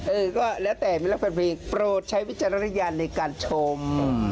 เออก็แล้วแต่เวลาแฟนเพลงโปรดใช้วิจารณญาณในการชม